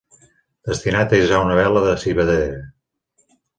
Destinat a hissar una vela de civadera.